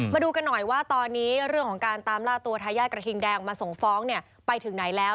มาดูกันหน่อยว่าตอนนี้เรื่องของการตามล่าตัวทายาทกระทิงแดงมาส่งฟ้องเนี่ยไปถึงไหนแล้ว